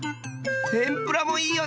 てんぷらもいいよね！